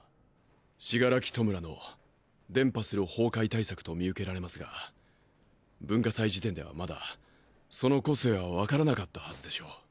死柄木弔の伝播する崩壊対策と見受けられますが文化祭時点ではまだその個性は判らなかったハズでしょう？